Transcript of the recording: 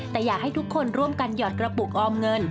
แต่อยากให้ทุกคนร่วมกันหยอดกระปุกออมเงิน